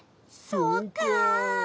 そうか。